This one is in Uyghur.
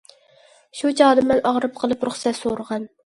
شۇ چاغدا مەن ئاغرىپ قېلىپ رۇخسەت سورىغان.